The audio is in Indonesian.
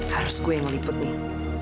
harus gue yang meliput nih